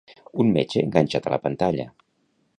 un metge enganxat a la pantalla